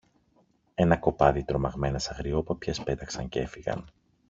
Ένα κοπάδι τρομαγμένες αγριόπαπιες πέταξαν κι έφυγαν